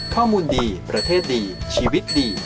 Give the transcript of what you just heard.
ข้อมูลดีประเทศดีชีวิตดี